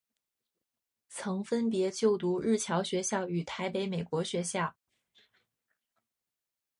曾分别就读日侨学校与台北美国学校。